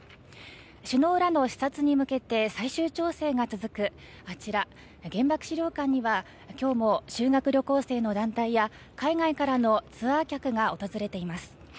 首脳らの視察に向けて最終調整が続くあちら、原爆資料館には今日も修学旅行生の団体や海外からのツアー客が訪れています。